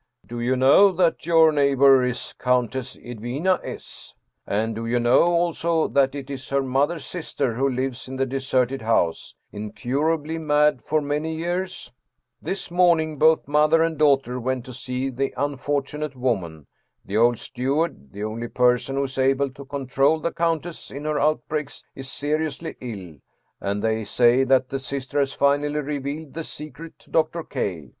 " Do you know that your neighbor is Countess Edwina S. ? And do you know also that it is her mother's sister who lives in the deserted house, incurably mad for many years? This morning both mother and daughter went to see the unfortunate woman. The old steward, the only person who is able to control the countess in her outbreaks, is seriously ill, and they say that the sister has finally revealed the secret to Dr. K.